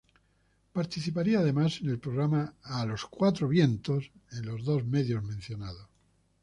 Participaría además en el programa "A los cuatro vientos" en los dos medios mencionados.